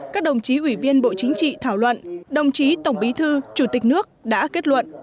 các đồng chí ủy viên bộ chính trị thảo luận đồng chí tổng bí thư chủ tịch nước đã kết luận